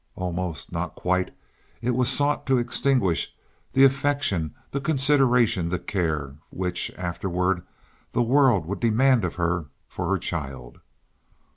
Almost, not quite, it was sought to extinguish the affection, the consideration, the care which, afterward, the world would demand of her, for her child.